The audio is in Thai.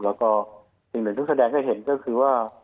แล้วก็สิ่งหนึ่งที่แสดงให้เห็นก็คือว่า